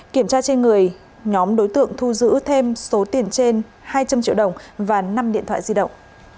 kiểm tra trên người nhóm đối tượng thu giữ thêm số tiền trên hai trăm linh triệu đồng và năm điện thoại di động